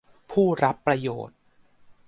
ผู้รับประโยชน์